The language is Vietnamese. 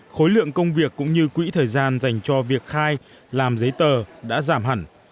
khối lượng công việc cũng như quỹ thời gian dành cho việc khai làm giấy tờ đã giảm hẳn